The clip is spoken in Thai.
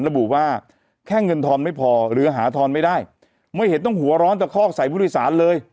ระบุว่าแค่เงินทอนไม่พอหรือหาทอนไม่ได้ไม่เห็นต้องหัวร้อนตะคอกใส่ผู้โดยสารเลย